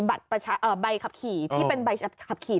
ใบขับขี่ที่เป็นใบขับขี่